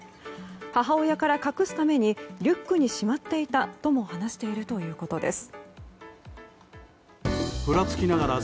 母親から隠すためにリュックにしまっていたとも話しているということです。